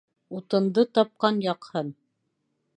Утынды тапҡан яҡһын.